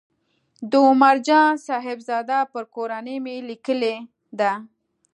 د عمر جان صاحبزاده پر کورنۍ مې لیکلې ده.